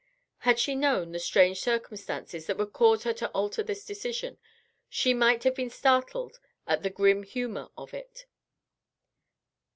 Had she known the strange circumstances that would cause her to alter this decision, she might have been startled at the grim humor of it.